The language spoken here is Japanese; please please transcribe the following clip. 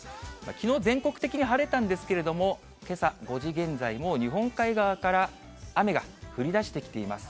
きのう、全国的に晴れたんですけれども、けさ５時現在、もう日本海側から雨が降りだしてきています。